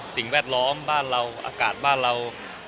สิ่งแวดล้อมบ้านเราอากาศบ้านเรา